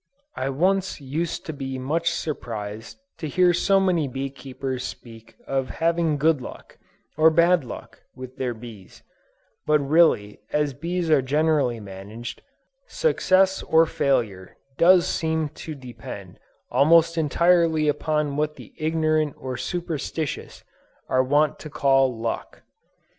I once used to be much surprised to hear so many bee keepers speak of having "good luck," or "bad luck" with their bees; but really as bees are generally managed, success or failure does seem to depend almost entirely upon what the ignorant or superstitious are wont to call "luck."